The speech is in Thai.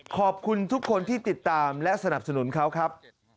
ขอบคุณทุกคนที่ติดตามและสนับสนุนเขาครับ